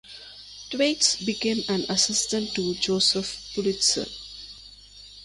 Thwaites became an assistant to Joseph Pulitzer.